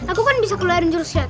aku kan bisa keluarin jurus siapin